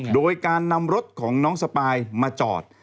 โดยการนำรถของน้องสปายมาจอด